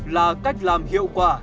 là cách làm hiệu quả